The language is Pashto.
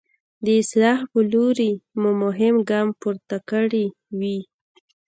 د اصلاح په لوري مو مهم ګام پورته کړی وي.